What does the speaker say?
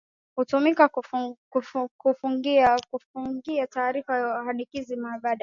Hutumika kufungia taarifa hanikizi au mbadala